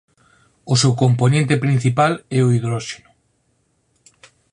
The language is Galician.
O seu compoñente principal é o hidróxeno.